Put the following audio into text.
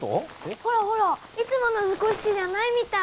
ほらほらいつもの図工室じゃないみたい！